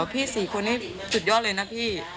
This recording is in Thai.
๔คนนี้สุดยอดเลยนะพี่